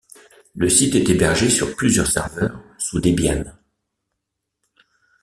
Le site est hébergé sur plusieurs serveurs sous Debian.